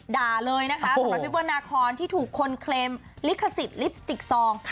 ด่าเลยนะคะสำหรับพี่เบิ้ลนาคอนที่ถูกคนเคลมลิขสิทธิ์ลิปสติกซอง